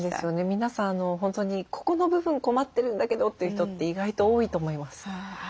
皆さん本当に「ここの部分困ってるんだけど」という人って意外と多いと思います。